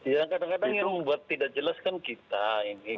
yang kadang kadang yang membuat tidak jelas kan kita ini